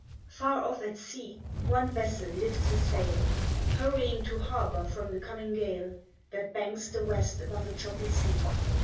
Far off at sea one vessel lifts a sail, Hurrying to harbor from the coming gale, That banks the west above a choppy sea.